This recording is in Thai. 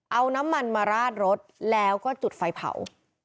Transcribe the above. เอาน้ำมันมาราดรถแล้วก็จุดไฟเผา